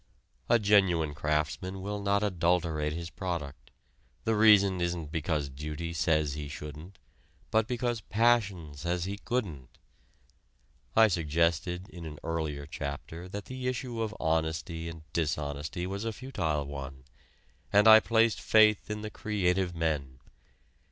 A genuine craftsman will not adulterate his product: the reason isn't because duty says he shouldn't, but because passion says he couldn't. I suggested in an earlier chapter that the issue of honesty and dishonesty was a futile one, and I placed faith in the creative men.